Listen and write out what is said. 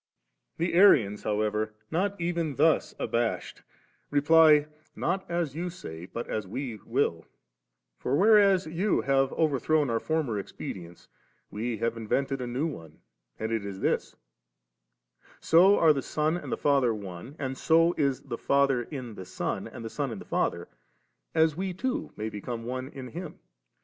17. The Arians, however, not even thus abashed, reply, ^ Not as you say, but as we will «;* for, whereas you have overthrown our former expedients, we have invented a new one, and it is this :— So are the Son and the Father One, and so is the Father in the Son and the Son in the Father, as we too may become one in Him.